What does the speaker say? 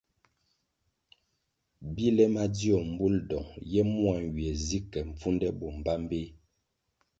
Bile madzio mbul dong ye mua nywie zi ke mpfunde bo mbpambeh.